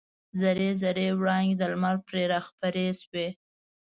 زر زري وړانګې د لمر پرې راخپرې شوې.